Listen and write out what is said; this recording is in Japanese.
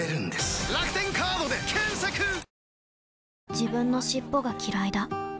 自分の尻尾がきらいだ